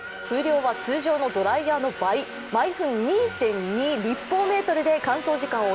風量は通常のドライヤーの倍、毎分２．２立方メートルで乾燥時間